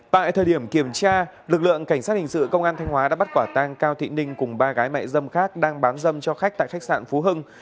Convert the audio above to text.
tại thời điểm kiểm tra lực lượng cảnh sát hình sự công an thanh hóa đã bắt quả tang cao thị ninh cùng ba gái mại dâm khác đang bán dâm cho khách tại khách sạn phú hưng